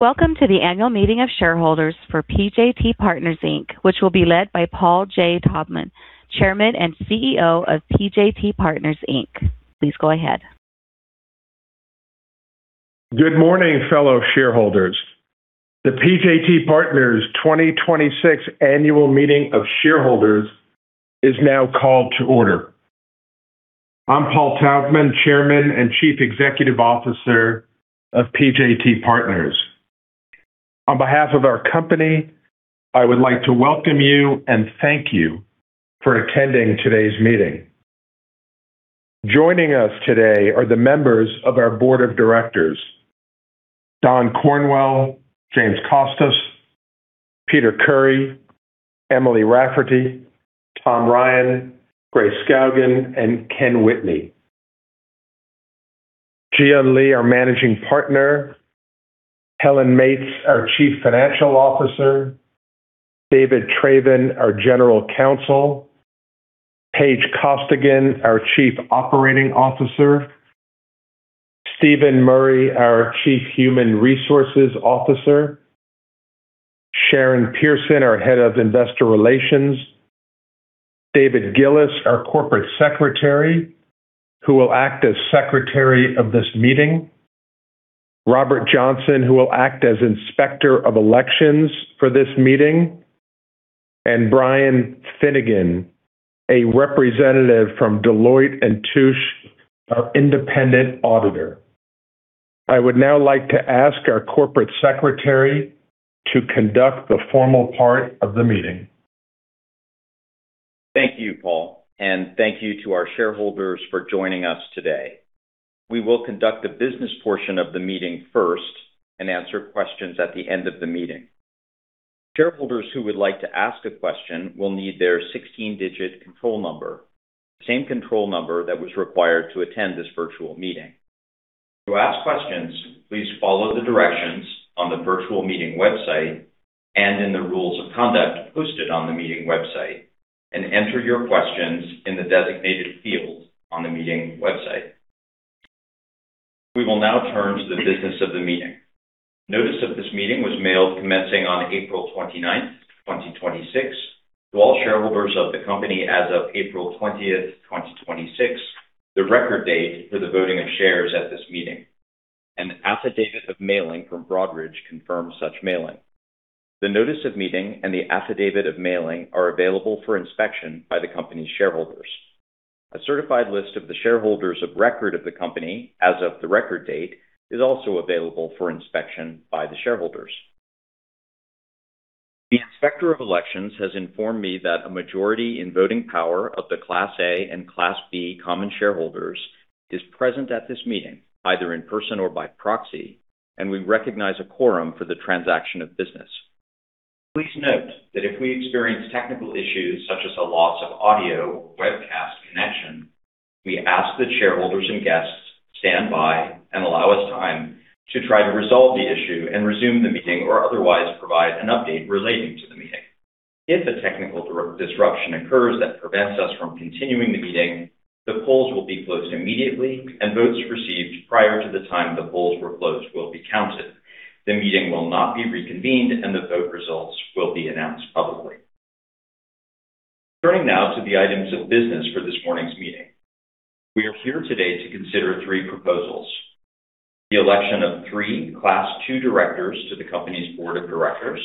Welcome to the annual meeting of shareholders for PJT Partners Inc., which will be led by Paul J. Taubman, Chairman and CEO of PJT Partners Inc. Please go ahead. Good morning, fellow shareholders. The PJT Partners 2026 annual meeting of shareholders is now called to order. I'm Paul Taubman, Chairman and Chief Executive Officer of PJT Partners. On behalf of our company, I would like to welcome you and thank you for attending today's meeting. Joining us today are the members of our Board of Directors, Don Cornwell, James Costos, Peter Currie, Emily Rafferty, Tom Ryan, Grace Skaugen, and Ken Whitney. Ji-Yeun Lee, our Managing Partner, Helen Meates, our Chief Financial Officer, David Travin, our General Counsel, Paige Costigan, our Chief Operating Officer, Steven Murray, our Chief Human Resources Officer, Sharon Pearson, our Head of Investor Relations, David Gillis, our Corporate Secretary, who will act as secretary of this meeting, Robert Johnson, who will act as inspector of elections for this meeting, and Brian Finnegan, a representative from Deloitte & Touche, our independent auditor. I would now like to ask our Corporate Secretary to conduct the formal part of the meeting. Thank you, Paul, and thank you to our shareholders for joining us today. We will conduct the business portion of the meeting first and answer questions at the end of the meeting. Shareholders who would like to ask a question will need their 16-digit control number, the same control number that was required to attend this virtual meeting. To ask questions, please follow the directions on the virtual meeting website and in the rules of conduct posted on the meeting website and enter your questions in the designated field on the meeting website. We will now turn to the business of the meeting. Notice of this meeting was mailed commencing on April 29th, 2026, to all shareholders of the company as of April 20th, 2026, the record date for the voting of shares at this meeting. An affidavit of mailing from Broadridge confirms such mailing. The notice of meeting and the affidavit of mailing are available for inspection by the company's shareholders. A certified list of the shareholders of record of the company as of the record date is also available for inspection by the shareholders. The Inspector of Elections has informed me that a majority in voting power of the Class A and Class B common shareholders is present at this meeting, either in person or by proxy, and we recognize a quorum for the transaction of business. Please note that if we experience technical issues such as a loss of audio or webcast connection, we ask that shareholders and guests stand by and allow us time to try to resolve the issue and resume the meeting or otherwise provide an update relating to the meeting. If a technical disruption occurs that prevents us from continuing the meeting, the polls will be closed immediately and votes received prior to the time the polls were closed will be counted. The meeting will not be reconvened, and the vote results will be announced publicly. Turning now to the items of business for this morning's meeting. We are here today to consider three proposals. The election of three Class 2 directors to the company's board of directors,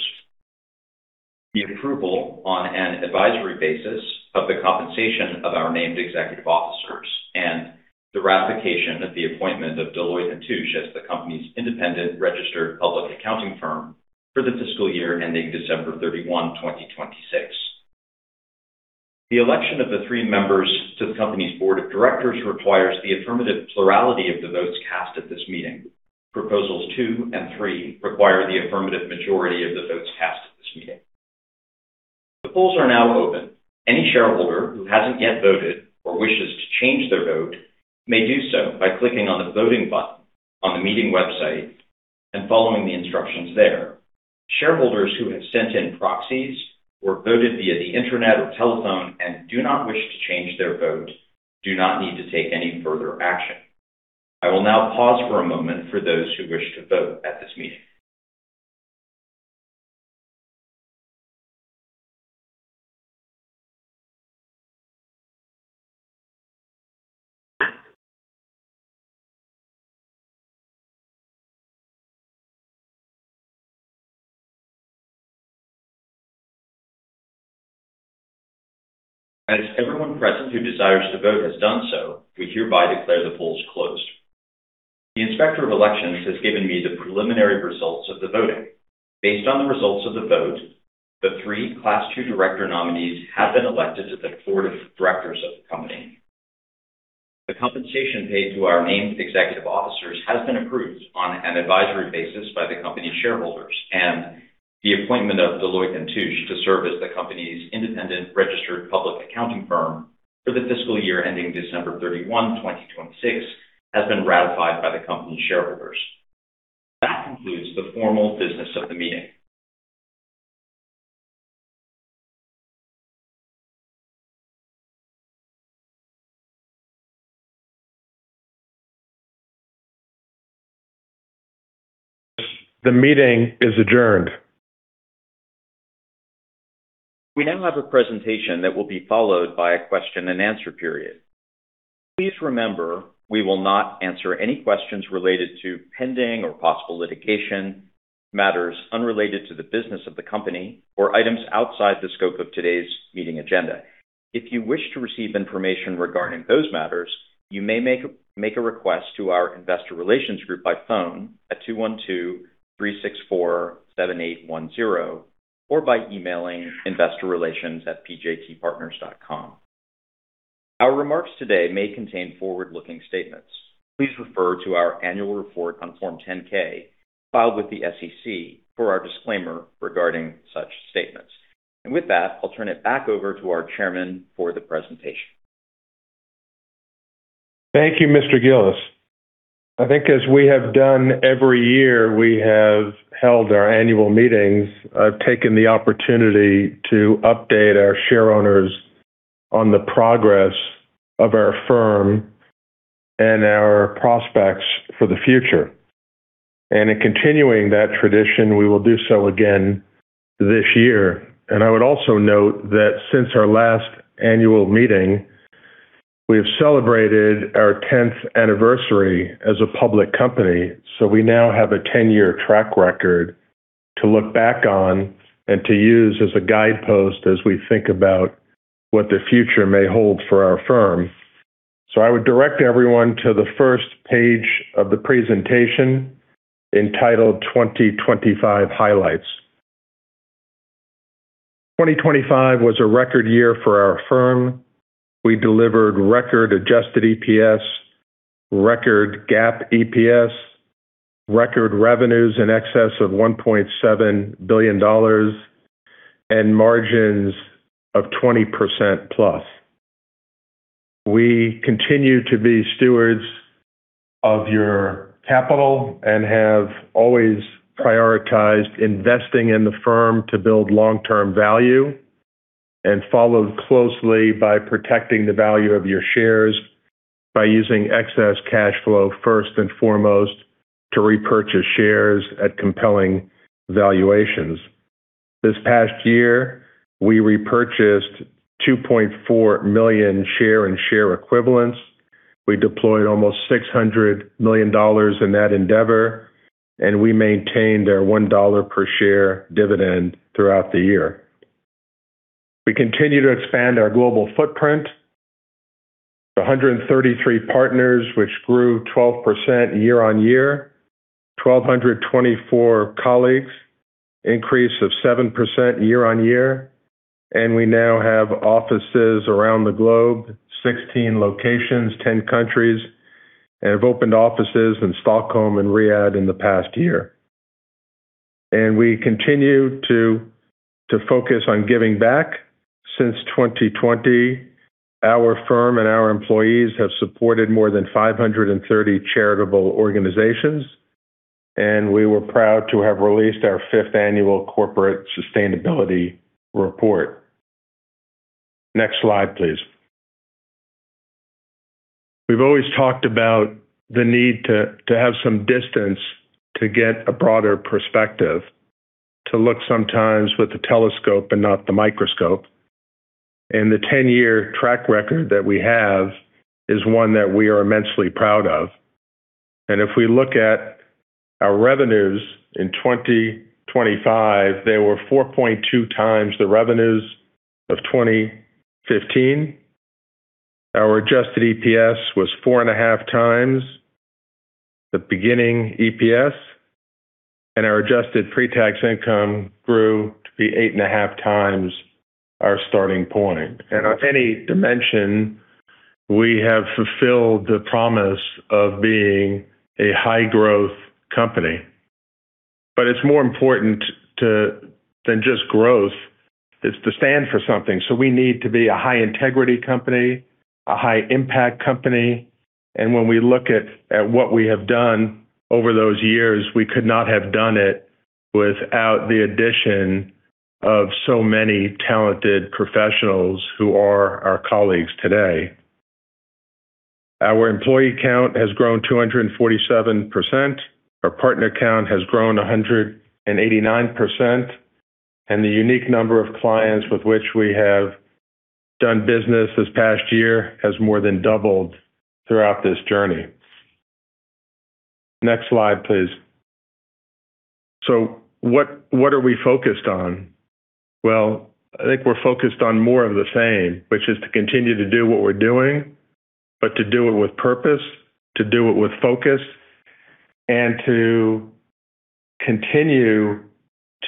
the approval on an advisory basis of the compensation of our named executive officers, and the ratification of the appointment of Deloitte & Touche as the company's independent registered public accounting firm for the fiscal year ending December 31, 2026. The election of the three members to the company's board of directors requires the affirmative plurality of the votes cast at this meeting. Proposals two and three require the affirmative majority of the votes cast at this meeting. The polls are now open. Any shareholder who hasn't yet voted or wishes to change their vote may do so by clicking on the voting button on the meeting website and following the instructions there. Shareholders who have sent in proxies or voted via the internet or telephone and do not wish to change their vote do not need to take any further action. I will now pause for a moment for those who wish to vote at this meeting. As everyone present who desires to vote has done so, we hereby declare the polls closed. The Inspector of Elections has given me the preliminary results of the voting. Based on the results of the vote, the three Class 2 director nominees have been elected to the board of directors of the company. The compensation paid to our named executive officers has been approved on an advisory basis by the company shareholders. The appointment of Deloitte & Touche to serve as the company's independent registered public accounting firm for the fiscal year ending December 31, 2026, has been ratified by the company's shareholders. That concludes the formal business of the meeting. The meeting is adjourned. We now have a presentation that will be followed by a question and answer period. Please remember, we will not answer any questions related to pending or possible litigation, matters unrelated to the business of the company, or items outside the scope of today's meeting agenda. If you wish to receive information regarding those matters, you may make a request to our investor relations group by phone at 212-364-7810 or by emailing investorrelations@pjtpartners.com. Our remarks today may contain forward-looking statements. Please refer to our annual report on Form 10-K filed with the SEC for our disclaimer regarding such statements. With that, I'll turn it back over to our chairman for the presentation. Thank you, Mr. Gillis. I think as we have done every year we have held our annual meetings, I've taken the opportunity to update our shareowners on the progress of our firm and our prospects for the future. In continuing that tradition, we will do so again this year. I would also note that since our last annual meeting, we have celebrated our 10th anniversary as a public company. We now have a 10-year track record to look back on and to use as a guidepost as we think about what the future may hold for our firm. I would direct everyone to the first page of the presentation entitled 2025 Highlights. 2025 was a record year for our firm. We delivered record adjusted EPS, record GAAP EPS, record revenues in excess of $1.7 billion, and margins of 20%+. We continue to be stewards of your capital and have always prioritized investing in the firm to build long-term value, followed closely by protecting the value of your shares by using excess cash flow first and foremost to repurchase shares at compelling valuations. This past year, we repurchased 2.4 million share and share equivalents. We deployed almost $600 million in that endeavor, and we maintained our $1 per share dividend throughout the year. We continue to expand our global footprint. 133 partners, which grew 12% year-on-year. 1,224 colleagues, increase of 7% year-on-year. We now have offices around the globe, 16 locations, 10 countries, and have opened offices in Stockholm and Riyadh in the past year. We continue to focus on giving back. Since 2020, our firm and our employees have supported more than 530 charitable organizations, and we were proud to have released our fifth annual corporate sustainability report. Next slide, please. We've always talked about the need to have some distance to get a broader perspective, to look sometimes with the telescope and not the microscope. The 10-year track record that we have is one that we are immensely proud of. If we look at our revenues in 2025, they were 4.2x the revenues of 2015. Our adjusted EPS was four and a half times the beginning EPS. Our adjusted pre-tax income grew to be eight and a half times our starting point. On any dimension, we have fulfilled the promise of being a high-growth company. It's more important than just growth is to stand for something. We need to be a high-integrity company, a high-impact company. When we look at what we have done over those years, we could not have done it without the addition of so many talented professionals who are our colleagues today. Our employee count has grown 247%, our partner count has grown 189%, and the unique number of clients with which we have done business this past year has more than doubled throughout this journey. Next slide, please. What are we focused on? Well, I think we're focused on more of the same, which is to continue to do what we're doing, but to do it with purpose, to do it with focus, and to continue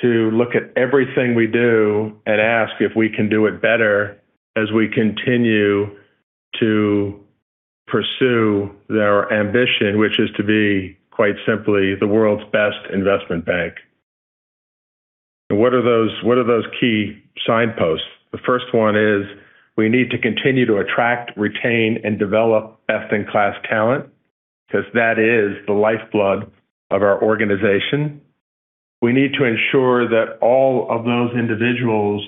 to look at everything we do and ask if we can do it better as we continue to pursue our ambition, which is to be, quite simply, the world's best investment bank. What are those key signposts? The first one is we need to continue to attract, retain, and develop best-in-class talent because that is the lifeblood of our organization. We need to ensure that all of those individuals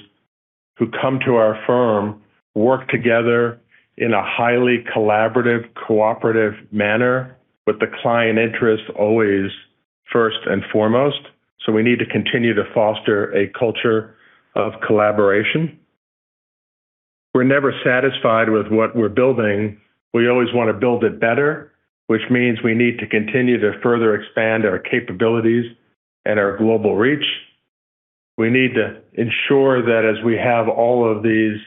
who come to our firm work together in a highly collaborative, cooperative manner with the client interest always first and foremost. We need to continue to foster a culture of collaboration. We're never satisfied with what we're building. We always want to build it better, which means we need to continue to further expand our capabilities and our global reach. We need to ensure that as we have all of these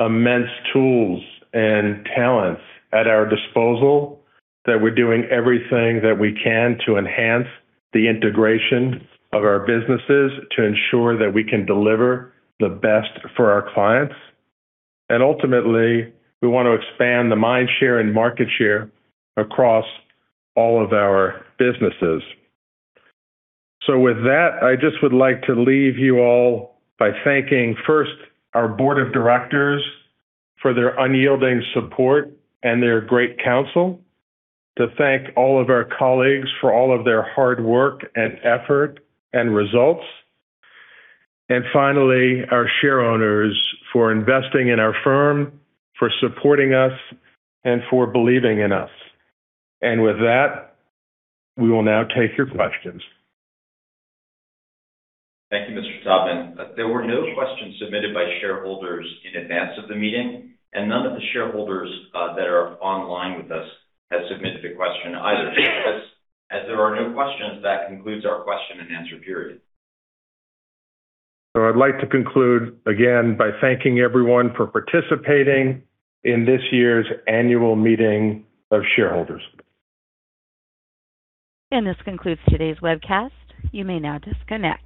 immense tools and talents at our disposal, that we're doing everything that we can to enhance the integration of our businesses to ensure that we can deliver the best for our clients. Ultimately, we want to expand the mind share and market share across all of our businesses. With that, I just would like to leave you all by thanking, first, our board of directors for their unyielding support and their great counsel. To thank all of our colleagues for all of their hard work and effort and results. Finally, our shareowners for investing in our firm, for supporting us, and for believing in us. With that, we will now take your questions. Thank you, Mr. Taubman. There were no questions submitted by shareholders in advance of the meeting, none of the shareholders that are online with us have submitted a question either. As there are no questions, that concludes our question and answer period. I'd like to conclude again by thanking everyone for participating in this year's annual meeting of shareholders. This concludes today's webcast. You may now disconnect.